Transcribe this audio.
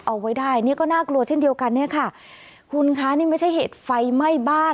เอาไว้ได้นี่ก็น่ากลัวเช่นเดียวกันเนี่ยค่ะคุณคะนี่ไม่ใช่เหตุไฟไหม้บ้าน